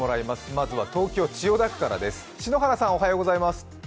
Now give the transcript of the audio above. まずは東京・千代田区からです。